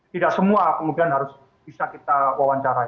tidak semua kemudian harus bisa kita wawancarai